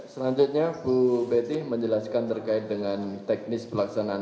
selanjutnya bu betty menjelaskan terkait dengan teknis pelaksanaan